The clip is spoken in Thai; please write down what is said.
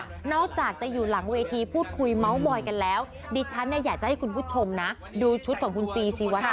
คือจะดูหนึ่งทั้งสองดูนี่มันอันนี้หง่ำหง่ำพระเอศหมอรับ